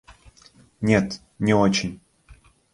Нет, не очень.